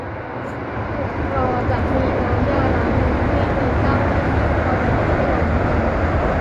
จุดรอจะมีน้ำยาล้างมือให้ มีเจ้าหน้าที่คอยบอกให้ล้างมือ